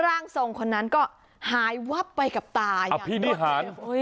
ร่างทรงคนนั้นก็หายวับไปกับตาอย่างพินิหาร